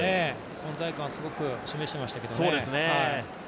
存在感すごく示してましたけどね。